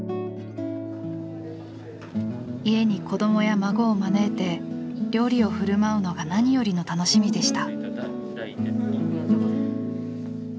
家に子どもや孫を招いて料理をふるまうのが何よりの楽しみでした。